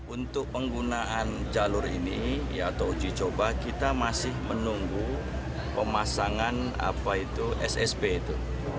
untuk penggunaan jalur ini atau uji coba kita masih menunggu pemasangan ssb itu